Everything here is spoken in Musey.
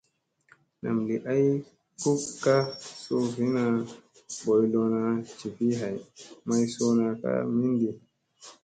Nam li ay kukŋa su vii na, boy lona jivi hay, may suuna ka mindi.